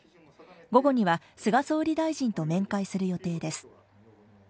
午後には菅総理大臣と面会する予定です。